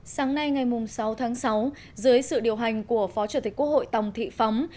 sáng nay ngày sáu tháng sáu dưới sự điều hành của phó chủ tịch quốc hội tòng thị phóng